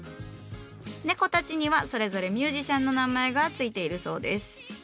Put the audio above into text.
猫たちにはそれぞれミュージシャンの名前が付いているそうです。